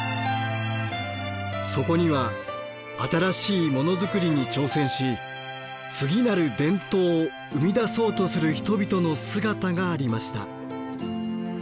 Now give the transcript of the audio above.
そこには新しいモノ作りに挑戦し次なる伝統を生み出そうとする人々の姿がありました。